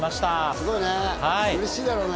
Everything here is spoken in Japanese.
すごいね。